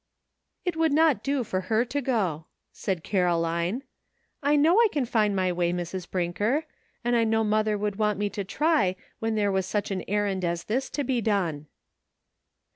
" It would not do for her to go," said Caro line. "I know I can find my way, Mrs. Brinker, and I know mother would want me to try when there was such an errand as this to be done."